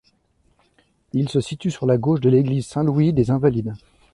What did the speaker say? Il se situe sur la gauche de l'église Saint-Louis-des-Invalides.